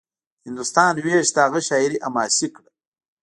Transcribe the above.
د هندوستان وېش د هغه شاعري حماسي کړه